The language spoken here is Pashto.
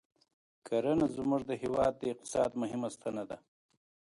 کرنه زموږ د هېواد د اقتصاد مهمه ستنه ده